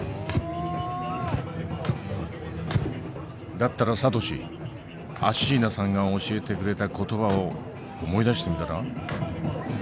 だったらサトシアシーナさんが教えてくれた言葉を思い出してみたら？